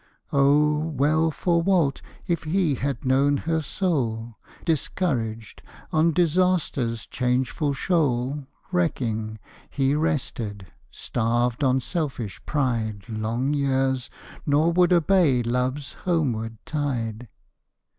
_ Oh, well for Walt, if he had known her soul! Discouraged on disaster's changeful shoal Wrecking, he rested; starved on selfish pride Long years; nor would obey love's homeward tide.